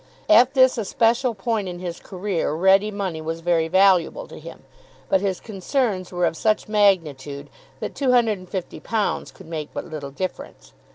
At this especial point in his career ready money was very valuable to him, but his concerns were of such magnitude that £250 could make but little difference.